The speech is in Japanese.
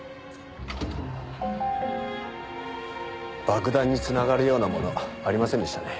爆弾に繋がるようなものありませんでしたね。